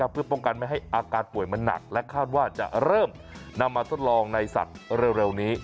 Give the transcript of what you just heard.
เพื่อป้องกันไม่ให้อาการป่วยมันหนักและคาดว่าจะเริ่มนำมาทดลองในสัตว์เร็วนี้